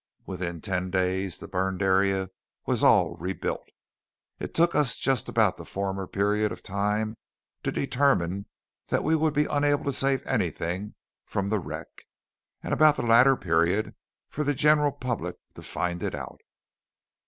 Within ten days the burned area was all rebuilt. It took us just about the former period of time to determine that we would be unable to save anything from the wreck; and about the latter period for the general public to find it out.